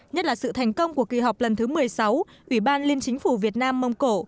nhất là sự thành công của kỳ họp lần thứ một mươi sáu ủy ban liên chính phủ việt nam mông cổ